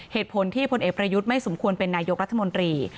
เหตุผลที่พลเอกประยุทธ์ไม่สมควรเป็นนายกรัฐมนตรี